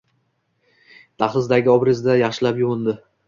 Dahlizdagi obrezda yaxshilab yuvindi.